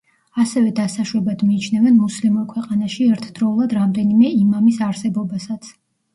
ასევე დასაშვებად მიიჩნევენ მუსლიმურ ქვეყანაში ერთდროულად რამდენიმე იმამის არსებობასაც.